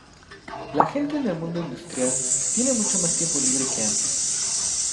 La gente en el mundo industrial tiene mucho más tiempo libre que antes.